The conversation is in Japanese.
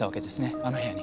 あの部屋に。